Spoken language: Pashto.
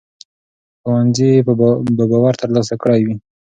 ښوونځي به باور ترلاسه کړی وي.